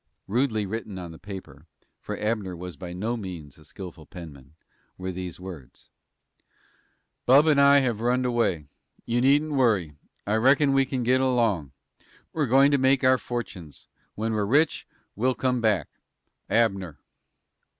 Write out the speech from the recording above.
Rudely written on the paper, for Abner was by no means a skillful penman, were these words: "Bub and I have runned away. You needn't worry. I reckon we can get along. We're going to make our fortunes. When we're rich, we'll come back. ABNER."